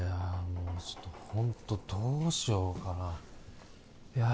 もうちょっとホントどうしようかないや